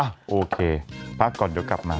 โอเคพักก่อนเดี๋ยวกลับมา